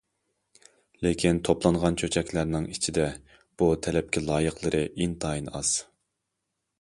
لېكىن توپلانغان چۆچەكلەرنىڭ ئىچىدە بۇ تەلەپكە لايىقلىرى ئىنتايىن ئاز.